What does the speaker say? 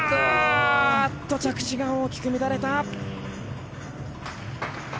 着地が大きく乱れた。